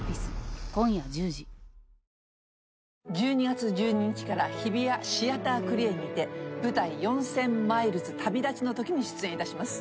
１２月１２日から日比谷シアタークリエにて舞台『４０００マイルズ旅立ちの時』に出演します。